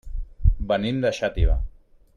Venim de Xàtiva.